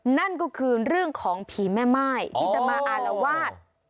นั่นก็คือเรื่องของผีแม่ม่ายที่จะมาอารวาส